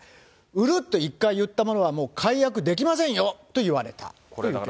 売るって一回言ったものはもう解約できませんよと言われたというケースです。